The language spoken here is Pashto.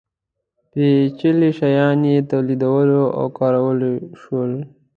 پېچلي شیان یې تولیدولی او کارولی شول.